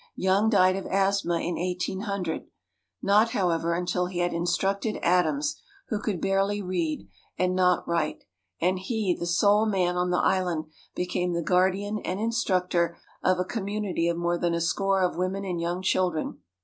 Young died of asthma in 1800, not, however, until he had instructed Adams, who could barely read, and not write; and he, the sole man on the island, became the guardian and instructor of a community of more than a score of women and young children.